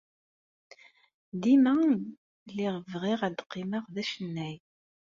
Dima lliɣ bɣiɣ ad qqleɣ d acennay.